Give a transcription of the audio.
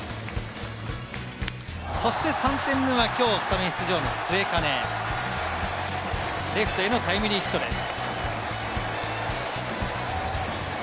そして３点目はきょうスタメン出場の末包、レフトへのタイムリーヒットです。